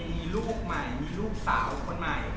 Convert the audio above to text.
มีลูกใหม่มีลูกสาวคนใหม่